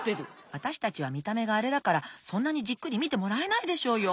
わたしたちはみためがあれだからそんなにじっくりみてもらえないでしょうよ！